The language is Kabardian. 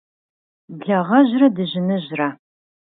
Благъэжьрэ дыжьыныжьрэ.